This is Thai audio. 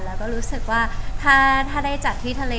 แล้วก็รู้สึกว่าถ้าได้จัดที่ทะเล